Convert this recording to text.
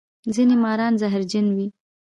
ځینې ماران زهرجن وي